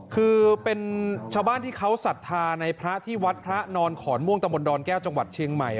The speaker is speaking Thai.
คือเป็นชาวบ้านที่เขาศรัทธาในพระที่วัดพระนอนขอนม่วงตะบนดอนแก้วจังหวัดเชียงใหม่